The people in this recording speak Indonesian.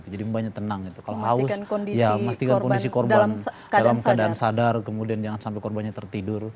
jadi mbaknya tenang kalau haus ya memastikan kondisi korban dalam keadaan sadar kemudian jangan sampai korbannya tertidur